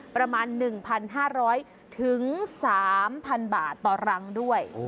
ประมาณ๑๕๐๐๓๐๐๐บาทต่อรังด้วย